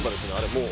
もう。